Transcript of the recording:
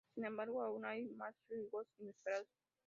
Sin embargo, aún hay más giros inesperados.